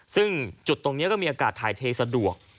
ซึ่งจุดตรงนี้ก็มีอากาศถ่ายเทสะดวก